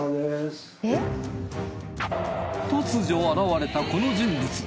突如現れたこの人物。